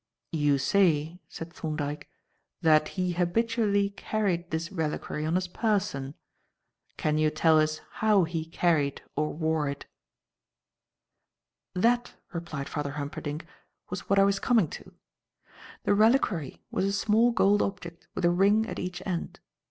"You say," said Thorndyke, "that he habitually carried this reliquary on his person. Can you tell us how he carried or wore it?" "That," replied Father Humperdinck, "was what I was coming to. The reliquary was a small gold object with a ring at each end.